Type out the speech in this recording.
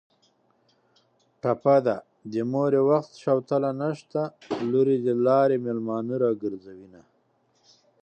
ټپه ده: د مور یې وخت شوتله نشته لور یې د لارې مېلمانه راګرځوینه